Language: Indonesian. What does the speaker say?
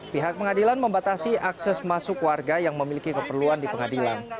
pihak pengadilan membatasi akses masuk warga yang memiliki keperluan di pengadilan